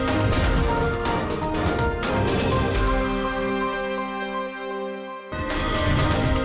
kami akan mencoba untuk mencoba